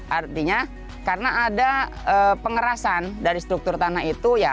artinya karena ada pengerasan dari struktur tanah itu ya